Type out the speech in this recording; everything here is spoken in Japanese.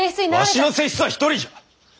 わしの正室は一人じゃ！